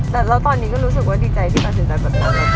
แต่แล้วตอนนี้ก็รู้สึกว่าดีใจที่ตัดสินใจแบบเรา